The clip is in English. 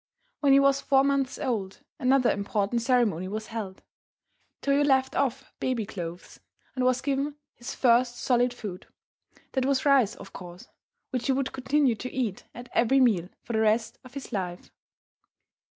When he was four months old another important ceremony was held. Toyo left off baby clothes and was given his first solid food. That was rice, of course, which he would continue to eat at every meal for the rest of his life.